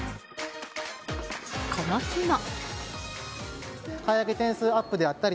この日も。